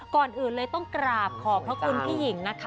ก่อนอื่นเลยต้องกราบขอบพระคุณพี่หญิงนะคะ